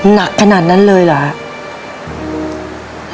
หนักขนาดนั้นเลยเหรอ